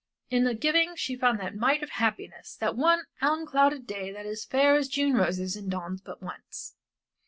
In the giving she found that mite of happiness, that one unclouded day that is fair as June roses and dawns but once.